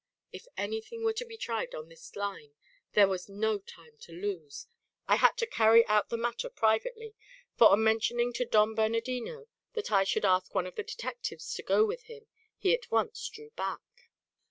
If anything were to be tried on this line, there was no time to lose. I had to carry out the matter privately; for on mentioning to Don Bernardino that I should ask one of the detectives to go with him, he at once drew back.